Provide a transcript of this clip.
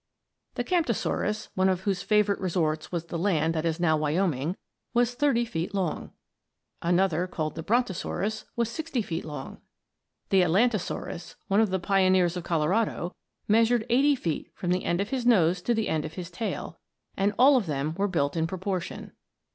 The Camptosaurus, one of whose favorite resorts was the land that is now Wyoming, was thirty feet long. Another called the Brontosaurus, was sixty feet long. The Atlantosaurus, one of the pioneers of Colorado, measured eighty feet from the end of his nose to the end of his tail, and all of them were built in proportion.